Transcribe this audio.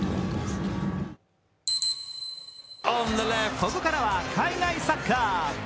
ここからは海外サッカー。